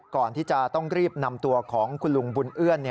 ก่อนที่จะต้องรีบนำตัวของคุณลุงบุญเอื้อน